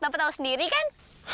bapak tahu sendiri kan